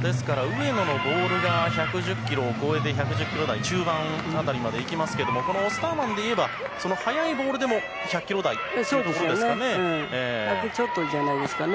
ですから、上野のボールが１１０キロを超えて１１０キロ台中盤辺りまでいきますけれどもオスターマンでいえば速いボールでも１００キロ台といったところですかね。